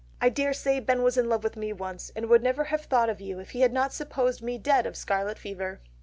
I daresay Ben was in love with me once, and would never have thought of you if he had not supposed me dead of scarlet fever."